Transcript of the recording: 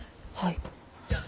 はい。